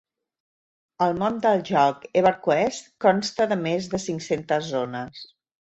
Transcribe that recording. El món del joc "EverQuest" consta de més de cinc-centes zones.